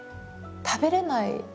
食べれない。